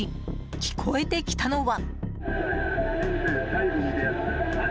聞こえてきたのは。